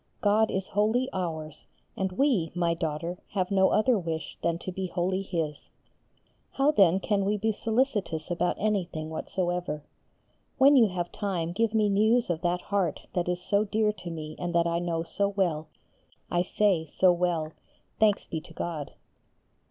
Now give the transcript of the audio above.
God is wholly ours, and we, my daughter, have no other wish than to be wholly His. How then can we be solicitous about anything whatsoever? When you have time give me news of that heart that is so dear to me and that I know so well, I say, so well, thanks be to God.